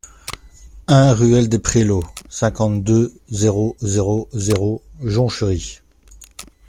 un ruelle des Prélots, cinquante-deux, zéro zéro zéro, Jonchery